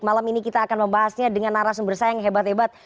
malam ini kita akan membahasnya dengan arah sumber saya yang hebat hebat